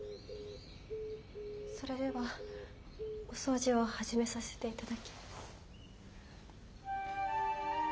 それではお掃除を始めさせて頂きます。